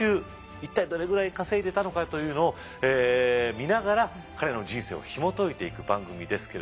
一体どれぐらい稼いでたのかというのを見ながら彼らの人生をひも解いていく番組ですけれども。